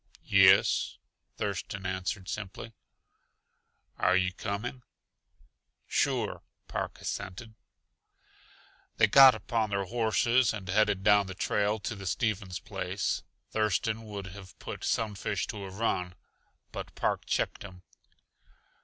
"Yes," Thurston answered simply. "Are you coming?" "Sure," Park assented. They got upon their horses and headed down the trail to the Stevens place. Thurston would have put Sunfish to a run, but Park checked him.